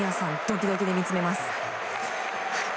ドキドキで見つめます。